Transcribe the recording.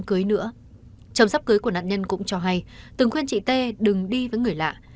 chồng sắp cưới của nạn nhân cũng cho hay từng khuyên chị t đừng đi với người lạ